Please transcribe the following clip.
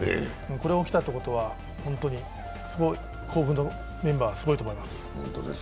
これが起きたということは、甲府のメンバーはすごいと思います。